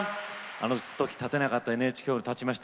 あの時立てなかったＮＨＫホール立ちました。